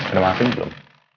udah mati belum